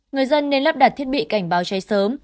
người dân nên lắp đặt thiết bị cảnh báo cháy sớm